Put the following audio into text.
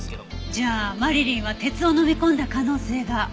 じゃあマリリンは鉄を飲み込んだ可能性が。